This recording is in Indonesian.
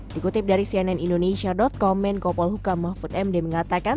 dikutip dari cnn indonesia com menko polhuka mahfud md mengatakan